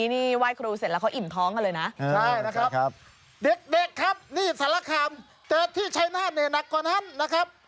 นี่ครับนี่สารคามเจอที่ใช้หน้าเหนี้ยหนักกว่านั่นนะครับ